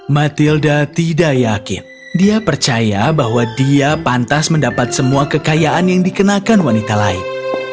matilda tidak yakin dia percaya bahwa dia pantas mendapat semua kekayaan yang dikenakan wanita lain